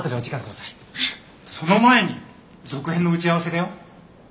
その前に続編の打ち合わせだよ。